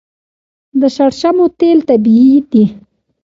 د شړشمو تیل طبیعي دي.